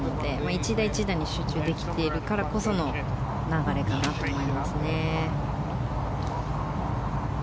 １打１打に集中できているからこその流れかなと思いますね。